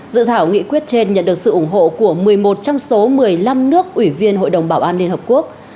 dự thảo nghị quyết trên nhận được sự ủng hộ của một mươi một trong số một mươi năm nước ủy viên hội đồng bảo an liên hợp quốc